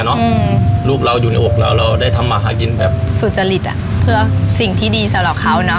อืมลูกเราอยู่ในอกเราเราได้ทำมาหากินแบบสุจริตอ่ะเพื่อสิ่งที่ดีสำหรับเขาเนอะ